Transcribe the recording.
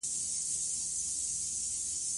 ځمکنی شکل د افغانستان د صنعت لپاره مواد برابروي.